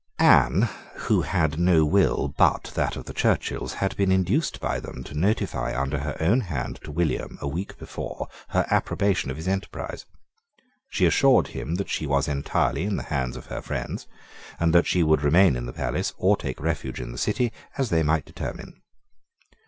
Anne, who had no will but that of the Churchills, had been induced by them to notify under her own hand to William, a week before, her approbation of his enterprise. She assured him that she was entirely in the hands of her friends, and that she would remain in the palace, or take refuge in the City, as they might determine.